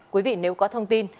quý vị nếu có thông tin